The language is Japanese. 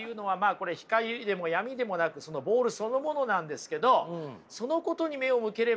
これ光でも闇でもなくそのボールそのものなんですけどそのことに目を向ければね